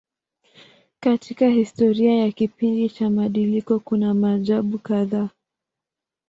Katika historia ya kipindi cha mabadiliko kuna maajabu kadhaa.